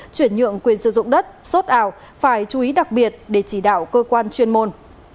chuyển nhượng quyền sử dụng đất sốt ảo phải chú ý đặc biệt để chỉ đạo cơ quan chuyên môn